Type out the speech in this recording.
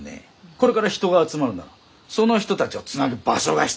これから人が集まるならその人たちをつなぐ場所が必要になる。